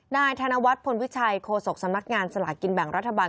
นายธนวัฒน์พลวิชัยโฆษกสำนักงานสลากินแบ่งรัฐบาล